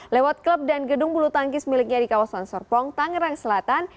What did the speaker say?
lewat klub dan gedung bulu tangkis miliknya di kawasan serpong tangerang selatan